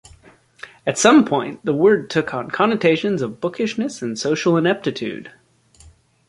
At some point, the word took on connotations of bookishness and social ineptitude.